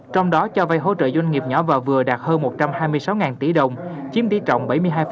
trong đó cho vay hỗ trợ doanh nghiệp nhỏ và vừa đạt hơn một trăm hai mươi sáu tỷ đồng chiếm tỷ trọng bảy mươi hai